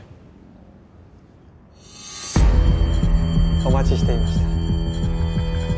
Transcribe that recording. お待ちしていました。